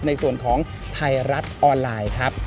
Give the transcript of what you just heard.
ในส่วนของไทยรัฐออนไลน์ครับ